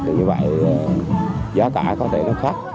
như vậy giá cả có thể nó khác